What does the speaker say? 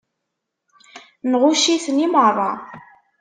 Nɣucc-iten i meṛṛa.